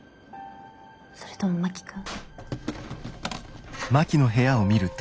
それとも真木君？